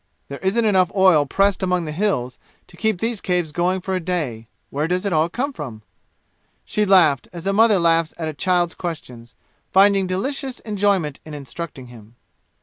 There isn't enough oil pressed among the 'Hills' to keep these caves going for a day. Where does it all come from?" She laughed, as a mother laughs at a child's questions, finding delicious enjoyment in instructing him.